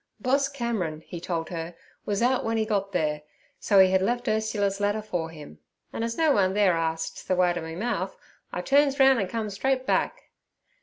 Boss Cameron, he told her, was out when he got there, so he had left Ursula's letter for him. 'An' as no one there ask't me ther way to me mouth, I turns roun' an' come straight back.'